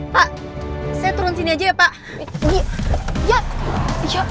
pak saya turun sini aja ya pak